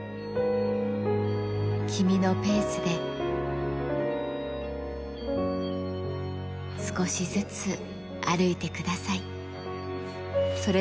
君のペースで、少しずつ歩いてください。